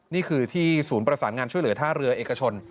นี่คือที่ศูนย์ประสานงานช่วยเหลือท่าเรือเอกชน